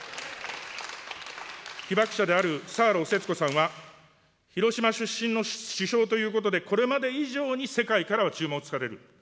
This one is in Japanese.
被爆者であるサーロー節子さんは、広島出身の首相ということで、これまで以上に世界からは注目される。